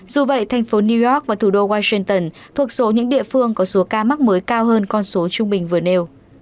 dù vậy thành phố new york và thủ đô washington thuộc số những địa phương có số ca mắc mới cao hơn con số trung bình vừa nêu